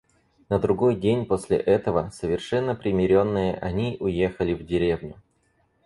На другой день после этого, совершенно примиренные, они уехали в деревню.